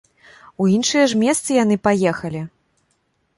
У іншыя ж месцы яны паехалі!